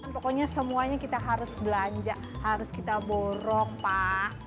pokoknya semuanya kita harus belanja harus kita borong pak